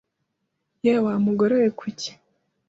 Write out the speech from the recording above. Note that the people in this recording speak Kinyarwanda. Yewe wa mugore we kuki